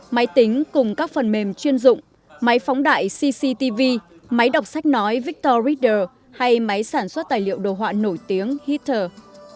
máy tính cùng các phần mềm chuyên dụng máy phóng đại cctv máy đọc sách nói victor ritder hay máy sản xuất tài liệu đồ họa nổi tiếng heatter